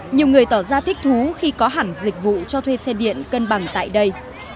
nhiều người tỏ ra thích thú khi có hẳn dịch vụ cho thuê xe điện cân bằng tại đây